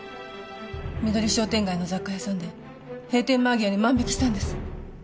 緑商店街の雑貨屋さんで閉店間際に万引きしたんです。